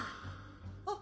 あ！